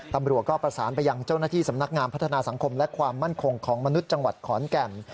ตำรวจก็ประสานไปยังเจ้าหน้าที่สำนักงานพัฒนาสังคมและความมั่นคงของมนุษย์จังหวัดขอนแก่น